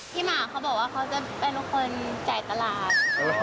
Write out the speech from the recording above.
หมากเขาบอกว่าเขาจะเป็นคนจ่ายตลาด